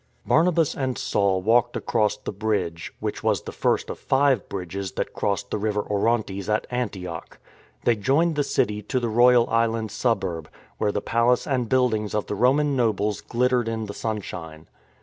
Barnabas and Saul walked across the bridge — which was the first of five bridges that crossed the River Orontes at Antioch. They joined the city to the royal island suburb, where the palace and buildings of the Roman nobles glittered in the sunshine.